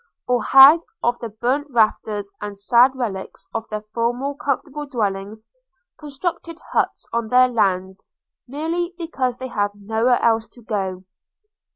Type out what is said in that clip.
– or had, of the burnt rafters and sad relics of their former comfortable dwellings, constructed huts on their lands, merely because they had nowhere else to go.